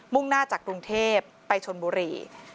่งหน้าจากกรุงเทพไปชนบุรี